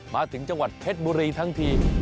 มาถึงจังหวัดเพชรบุรีทั้งที